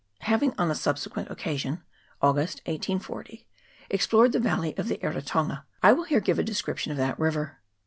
Having on a subsequent occasion (August, 1840) explored the valley of the Eritonga, I will here give a description of that river.